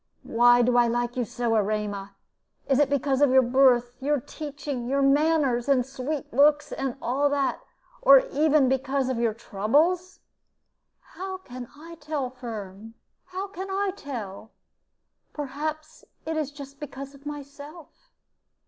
Why do I like you so, Erema? Is it because of your birth, and teaching, and manners, and sweet looks, and all that, or even because of your troubles?" "How can I tell, Firm how can I tell? Perhaps it is just because of myself.